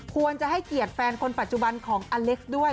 ควรจะให้เกียรติแฟนคนปัจจุบันของอเล็กซ์ด้วย